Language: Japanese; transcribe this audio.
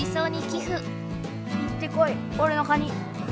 いってこいおれのカニ！